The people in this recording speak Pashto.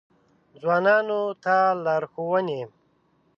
ځوانانو ته لارښوونې: